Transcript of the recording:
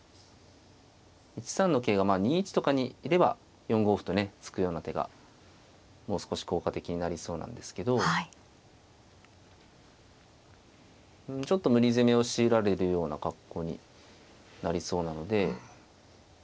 １三の桂が２一とかにいれば４五歩とね突くような手がもう少し効果的になりそうなんですけどちょっと無理攻めを強いられるような格好になりそうなので。